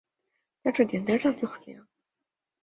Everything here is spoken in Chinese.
但是点灯上去很漂亮